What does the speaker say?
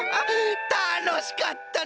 たのしかったな！